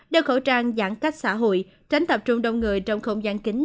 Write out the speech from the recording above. đeo khẩu trang giãn cách xã hội tránh tập trung đông người trong không gian kính